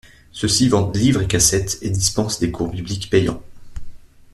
Ceux-ci vendent livres et cassettes et dispensent des cours bibliques payants.